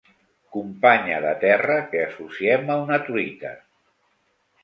Companya de terra que associem a una truita.